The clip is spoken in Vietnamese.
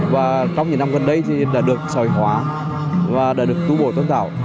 và trong những năm gần đây thì đã được sởi hóa và đã được tu bổ tôn tạo